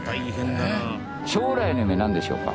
将来の夢なんでしょうか？